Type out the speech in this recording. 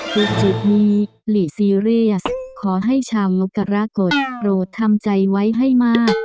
จุดนี้หลีซีเรียสขอให้ชาวมกรกฎโปรดทำใจไว้ให้มาก